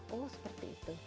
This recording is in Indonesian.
oh seperti itu